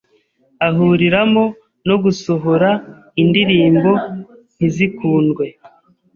ahuriramo no gusohora indirimbo ntizikundwe